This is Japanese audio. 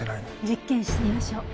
実験してみましょう。